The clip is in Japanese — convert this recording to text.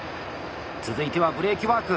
続いてはブレーキワーク。